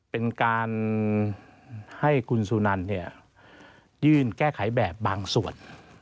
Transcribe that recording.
เป็นการให้คุณสุนันเนี่ยยื่นแก้ไขแบบบางส่วน